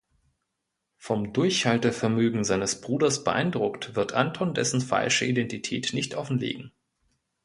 Vom Durchhaltevermögen seines Bruders beeindruckt, wird Anton dessen falsche Identität nicht offenlegen.